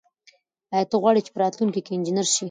آیا ته غواړې چې په راتلونکي کې انجنیر شې؟